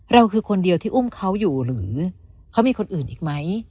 คือคนเดียวที่อุ้มเขาอยู่หรือเขามีคนอื่นอีกไหม